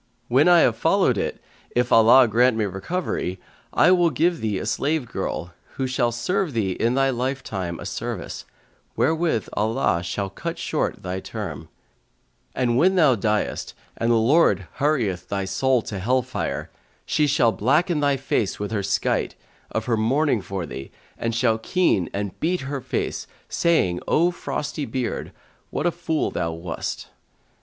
When I have followed it, if Allah grant me recovery, I will give thee a slave girl, who shall serve thee in they lifetime a service, wherewith Allah shall cut short thy term; and when thou diest and the Lord hurrieth thy soul to hell fire, she shall blacken thy face with her skite, of her mourning for thee, and shall keen and beat her face, saying O frosty beard, what a fool thou wast?'"